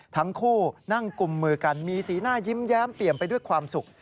ทั้งคู่นั่งกุมมือกันมีสีหน้ายิ้มแย้มเปี่ยมไปด้วยความสุข